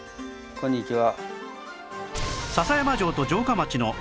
こんにちは。